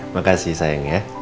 makasih sayang ya